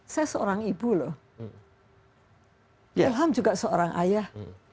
saya seorang ibu loh ilham juga seorang ayah